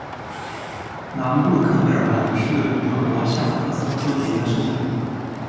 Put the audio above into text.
南布罗克梅尔兰是德国下萨克森州的一个市镇。